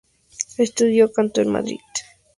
Estudió canto en Madrid.